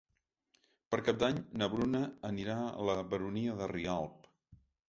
Per Cap d'Any na Bruna anirà a la Baronia de Rialb.